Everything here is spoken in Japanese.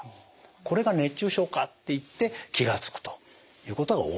これが熱中症かっていって気が付くということが多いんですね。